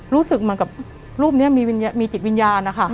รู้สึกเหมือนกับรูปนี้มีจิตวิญญาณนะคะ